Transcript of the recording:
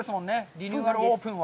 リニューアルオープンは。